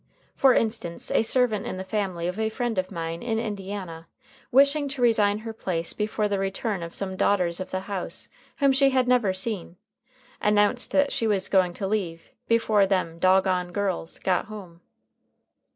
For instance, a servant in the family of a friend of mine in Indiana, wishing to resign her place before the return of some daughters of the house whom she had never seen, announced that she was going to leave "before them dog on girls got home."